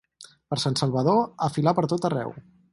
Per Sant Salvador, a filar per tot arreu.